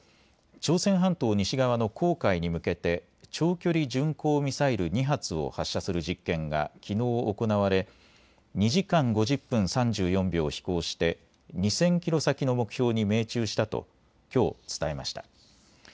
朝鮮半島西側の黄海に向けて長距離巡航ミサイル２発を発射する実験がきのう行われ２時間５０分３４秒飛行して２０００キロ先の目標に命中したときょう伝えました。